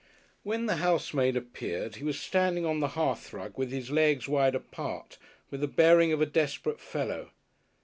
When the housemaid appeared he was standing on the hearthrug with his legs wide apart, with the bearing of a desperate fellow.